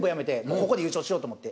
ここで優勝しようと思って。